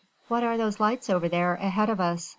"What are those lights over there, ahead of us?"